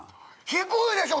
低いでしょ！